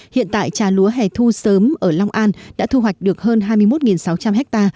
hiện tại trà lúa hẻ thu sớm ở long an đã thu hoạch được hơn hai mươi một sáu trăm linh ha